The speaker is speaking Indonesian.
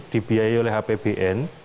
dibiaya oleh apbn